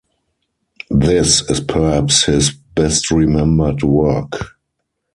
This is perhaps his best-remembered work.